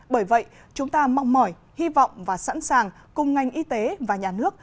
bởi vậy chúng ta mong mỏi hy vọng và sẵn sàng cùng ngành y tế và nhà nước